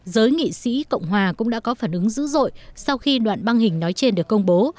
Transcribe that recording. giới nghị sĩ cộng hòa cũng đã có phản ứng dữ dội sau khi đoạn băng hình nói trên được công bố